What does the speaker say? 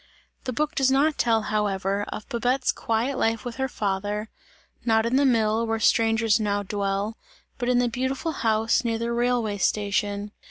The book does not tell, however, of Babette's quiet life with her father; not in the mill, where strangers now dwell, but in the beautiful house, near the railway station.